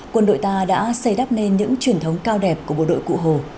quân đội ta đã xây đắp nên những truyền thống cao đẹp của bộ đội cụ hồ